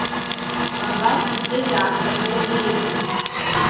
Абас иҿы иааҭашәоз реиҳәеит.